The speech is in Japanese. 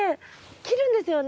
切るんですよね？